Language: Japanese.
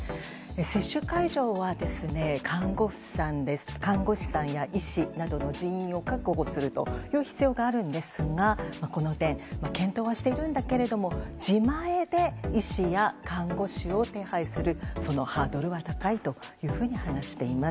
接種会場は看護師さんや医師などの人員を確保するという必要があるんですがこの点検討はしているんだけども自前で医師や看護師を手配するそのハードルは高いと話しています。